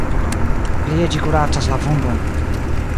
Plie ĝi kuracas la vundojn.